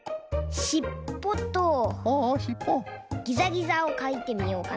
しっぽとギザギザをかいてみようかな。